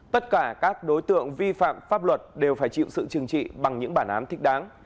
tất cả các đối tượng vi phạm pháp luật đều phải chịu sự chừng trị bằng những bản án thích đáng